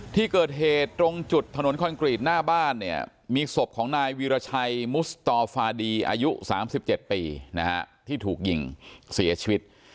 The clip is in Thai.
ที่เกิดเหตุตรงจุดถนนคอนกรีตหน้าบ้านเนี่ยมีศพของนายวีรชัยมุสตอฟาดีอายุ๓๗ปีนะฮะที่ถูกยิงเสียชีวิต